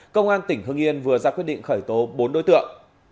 công an tỉnh hưng yên vừa ra quyết định khởi tố bốn đối tượng